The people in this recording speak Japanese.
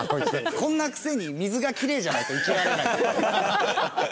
こんなくせに水がキレイじゃないと生きられない。